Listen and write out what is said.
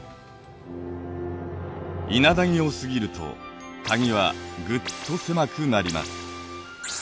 伊那谷を過ぎると谷はぐっと狭くなります。